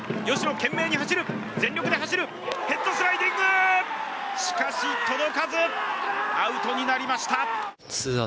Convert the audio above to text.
懸命に走る全力で走るヘッドスライディングしかし届かずアウトになりました